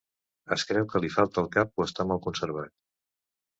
Es creu que li falta el cap o està mal conservat.